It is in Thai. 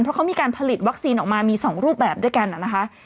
เพราะเขามีการผลิตวัคซีนออกมามี๒รูปแบบด้วยกันนะคะ